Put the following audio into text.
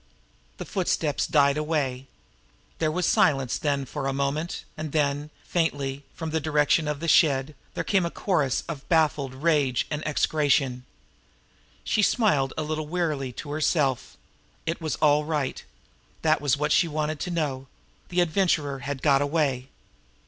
The footsteps died away. There was silence then for a moment; and then, faintly, from the direction of the shed, there came a chorus of baffled rage and execration. She smiled a little wearily to herself. It was all right. That was what she wanted to know. The Adventurer had got away.